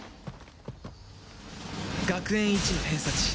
学園一の偏差値